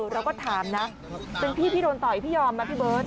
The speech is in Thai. เราก็ถามนะเป็นพี่ที่โดนต่อยพี่ยอมนะพี่เบิร์ต